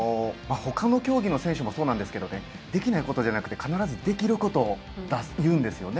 ほかの競技の選手もそうなんですけどできないことじゃなくて必ずできることを言うんですね。